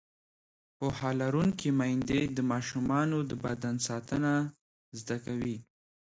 پوهه لرونکې میندې د ماشومانو د بدن ساتنه زده کوي.